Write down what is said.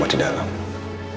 kejadian ini gimana a